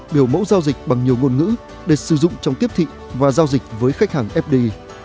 biểu mẫu giao dịch bằng nhiều ngôn ngữ để sử dụng trong tiếp thị và giao dịch với khách hàng fdi